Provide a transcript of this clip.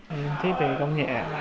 em thích về công nghệ